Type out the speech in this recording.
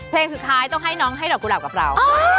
เพลงสุดท้ายต้องให้น้องให้ดอกกุหลาบกับเรา